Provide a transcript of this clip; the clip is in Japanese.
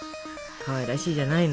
かわいらしいじゃないの。